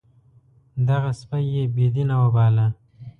دغه سپی یې بې دینه وباله.